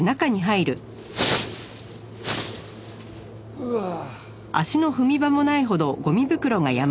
うわあ。